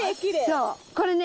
そうこれね。